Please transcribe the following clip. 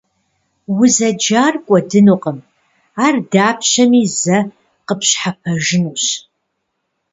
Узэджар кӀуэдынукъым, ар дапщэми зэ къыпщхьэпэжынущ.